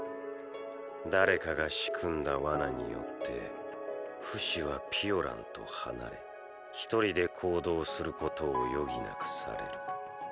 誰かが仕組んだ罠によってフシはピオランと離れひとりで行動することを余儀なくされる。